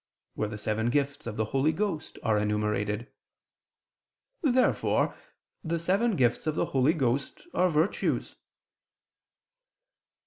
where the seven gifts of the Holy Ghost are enumerated. Therefore the seven gifts of the Holy Ghost are virtues.